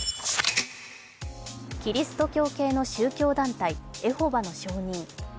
キリスト教系の宗教団体エホバの証人。